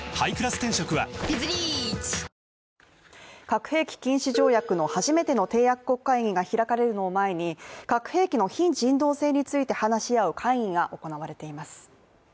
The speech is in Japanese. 核兵器禁止条約の初めての締約国会議が開かれるのを前に、核兵器の非人道性について話し合う会議が行われています。